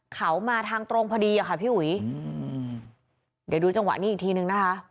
เขามาทางตรงพอดีอะค่ะพี่อุ๋ยอืมเดี๋ยวดูจังหวะนี้อีกทีนึงนะคะ